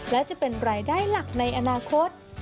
และจะเป็นรายได้หลักในอนาคต